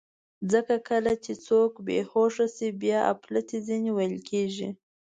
ځکه کله چې څوک بېهوښه شي، بیا اپلتې ځینې ویل کېږي.